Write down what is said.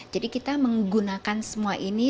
jadi kita menggunakan semua ini